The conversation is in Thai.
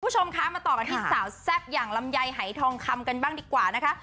คุณผู้ชมคะมาต่อกันที่สาวแซ่บอย่างลำไยหายทองคำกันบ้างดีกว่านะคะ